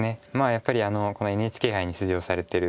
やっぱりこのＮＨＫ杯に出場されてる方